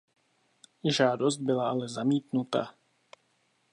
Žádost byla ale zamítnuta.